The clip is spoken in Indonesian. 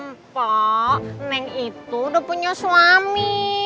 mpok neng itu udah punya suami